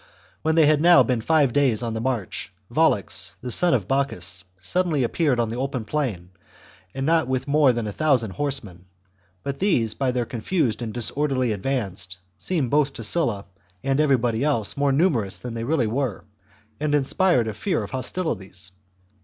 When they had now been five days on the march, Volux, the son of CVI. THE JUGURTHINE WAR. , 239 Bocchus suddenly appeared on the open plain with not chap. more than a thousand horsemen ; but these by their confused and disorderly advance seemed both to Sulla and every one else more numerous than they really were, and inspired a fear of hostilities.